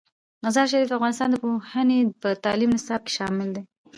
مزارشریف د افغانستان د پوهنې په تعلیمي نصاب کې شامل دی.